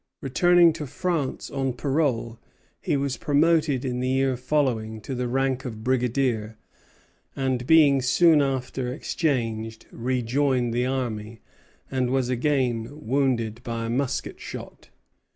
Returning to France on parole, he was promoted in the year following to the rank of brigadier; and being soon after exchanged, rejoined the army, and was again wounded by a musket shot.